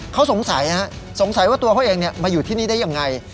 เขาสงสัยสงสัยว่าตัวเขาเองมาอยู่ที่นี่ได้ยังไง